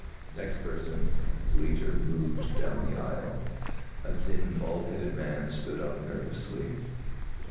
"Next person." The Leiter moved down the aisle. A thin, bald headed man stood up nervously.